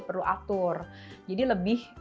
perlu atur jadi lebih